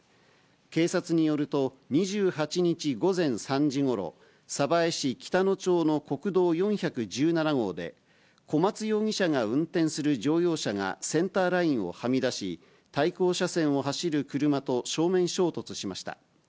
警察によると、２８日午前３時ごろ、鯖江市北野町の国道４１７号で、小松容疑者が運転する乗用車が、センターラインをはみ出し、対向車線を走る車と正面衝突しました。